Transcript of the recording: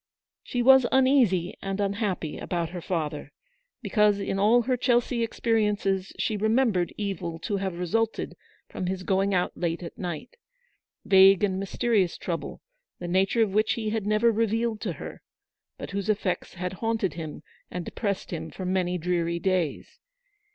She was uneasy and unhappy about her father, because in all her Chelsea experiences she remem bered evil to have resulted from his going out late at night ; vague and mysterious trouble, the nature of which he had never revealed to her, but whose effects had haunted him and depressed him for many dreary days.